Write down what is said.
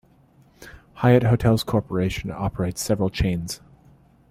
Hyatt Hotels Corporation operates several chains.